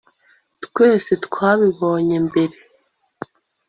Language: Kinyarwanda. twese twabibonye mbere